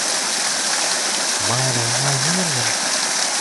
ไม่ฮะ หายเหมือนกัน